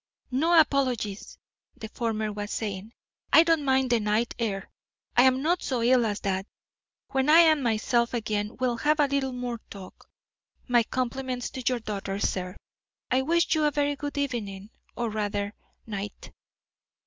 "No apologies!" the former was saying. "I don't mind the night air; I'm not so ill as that. When I'm myself again we'll have a little more talk. My compliments to your daughter, sir. I wish you a very good evening, or rather night."